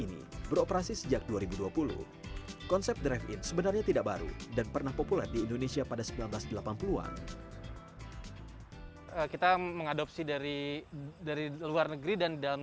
kita mengadopsi dari luar negeri dan dalam negeri